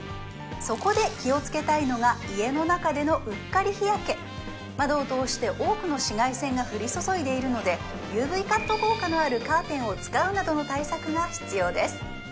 そこで気をつけたいのが家の中でのうっかり日焼け窓を通して多くの紫外線が降り注いでいるのでＵＶカット効果のあるカーテンを使うなどの対策が必要です